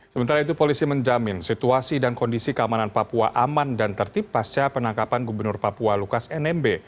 sementara itu polisi menjamin situasi dan kondisi keamanan papua aman dan tertib pasca penangkapan gubernur papua lukas nmb